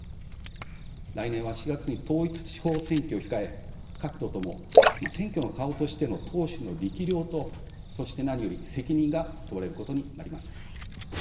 来年は４月に統一地方選挙を控え各党とも選挙の顔としての党首の力量と、そして何より責任が問われることになります。